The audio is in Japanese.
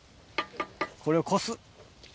これをこす。